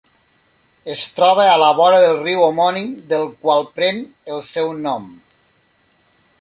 Es troba a la vora del riu homònim del qual pren el seu nom.